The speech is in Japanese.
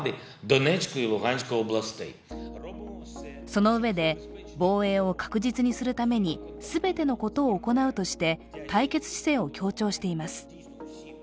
そのうえで防衛を確実にするために全てのことを行うとして対決姿勢を強調しています。